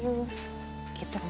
gitu maksudnya nak